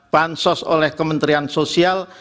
bansos oleh kementerian sosial